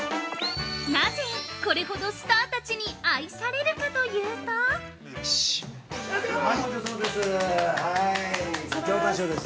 ◆なぜこれほどスターたちに愛されるかというと◆上タン塩です。